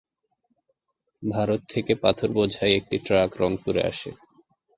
ভারত থেকে পাথরবোঝাই একটি ট্রাক রংপুরে আসে।